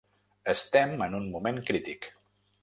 Estem en un moment crític.